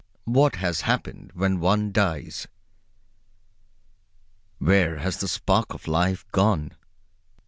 What has happened when one dies? Where has the spark of life gone?